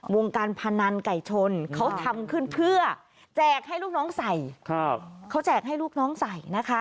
วงการพนันไก่ชนเขาทำขึ้นเพื่อแจกให้ลูกน้องใส่